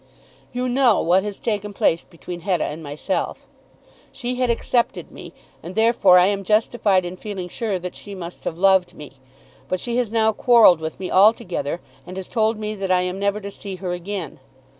You know what has taken place between Hetta and myself. She had accepted me, and therefore I am justified in feeling sure that she must have loved me. But she has now quarrelled with me altogether, and has told me that I am never to see her again.